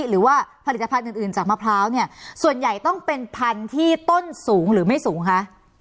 หรือว่าผลิตภัณฑ์อื่นอื่นจากมะพร้าวเนี่ยส่วนใหญ่ต้องเป็นพันธุ์ที่ต้นสูงหรือไม่สูงคะ